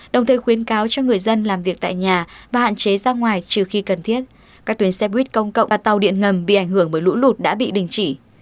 đồng thời khuyến cáo cho người dân làm việc tại nhà và hạn chế ra ngoài trừ khi cần thiết các tuyến xe buýt công cộng và tàu điện ngầm bị ảnh hưởng bởi lũ lụt đã bị đình chỉ